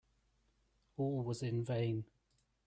All was in vain.